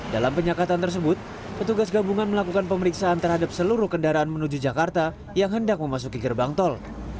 dalam penyekatan tersebut petugas gabungan melakukan pemeriksaan terhadap seluruh kendaraan menuju jakarta yang hendak memasuki gerbang tol